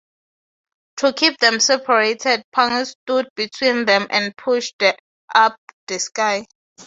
To keep them separated, Pangu stood between them and pushed up the Sky.